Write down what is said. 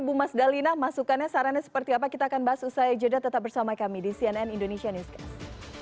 bu mas dalina masukannya sarannya seperti apa kita akan bahas usai jeda tetap bersama kami di cnn indonesia newscast